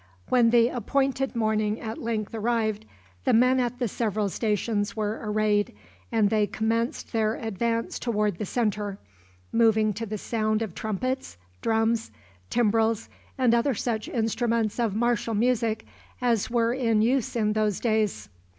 When the appointed morning at length arrived, the men at the several stations were arrayed, and they commenced their advance toward the centre, moving to the sound of trumpets, drums, timbrels, and other such instruments of martial music as were in use in those days.